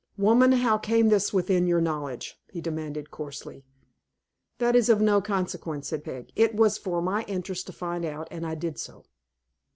"Woman, how came this within your knowledge?" he demanded, coarsely. "That is of no consequence," said Peg. "It was for my interest to find out, and I did so."